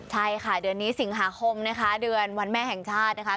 ใช่ค่ะเดือนนี้สิงหาคมนะคะเดือนวันแม่แห่งชาตินะคะ